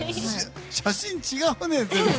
写真違うね、全然。